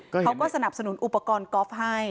เขาก็สนับสนุนอุปกรณ์กอล์ฟให้